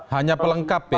hanya pelengkap ya